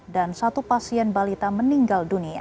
dan satu pasien balita meninggal dunia